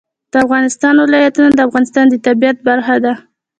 د افغانستان ولايتونه د افغانستان د طبیعت برخه ده.